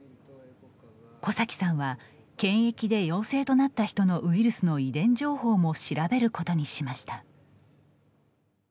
小崎さんは、検疫で陽性となった人のウイルスの遺伝情報も調べることにしました。